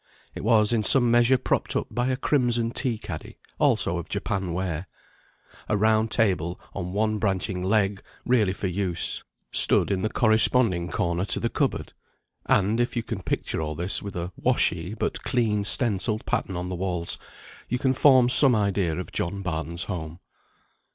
It was in some measure propped up by a crimson tea caddy, also of japan ware. A round table on one branching leg really for use, stood in the corresponding corner to the cupboard; and, if you can picture all this with a washy, but clean stencilled pattern on the walls, you can form some idea of John Barton's home.